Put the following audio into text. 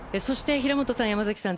平本さん、山崎さん